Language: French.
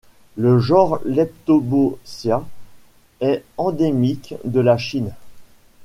Le genre Leptobotia est endémique de la Chine.